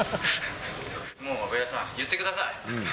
もう上田さん、言ってください。